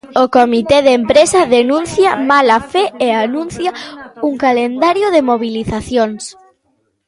O comité de empresa denuncia mala fe e anuncia un calendario de mobilizacións.